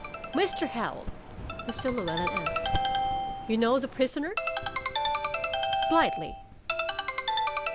"Mr. Howell," Mr. Llewellyn asked, "you know the prisoner?" "Slightly."